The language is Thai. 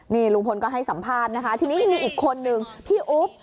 นี่ลุงพลก็ให้สัมภาษณ์นะคะทีนี้ยังมีอีกคนนึงพี่อุ๊บ